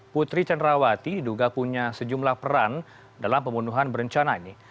putri cenrawati diduga punya sejumlah peran dalam pembunuhan berencana ini